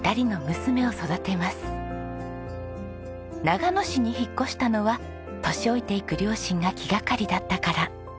長野市に引っ越したのは年老いていく両親が気がかりだったから。